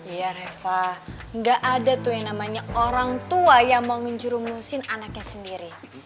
iya reva nggak ada tuh yang namanya orang tua yang mau menjurumusin anaknya sendiri